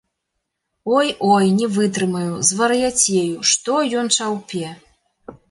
Ой, ой, не вытрымаю, звар'яцею, што ён чаўпе?!.